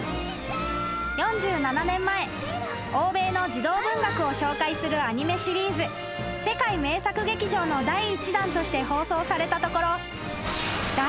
［４７年前欧米の児童文学を紹介するアニメシリーズ「世界名作劇場」の第１弾として放送されたところ］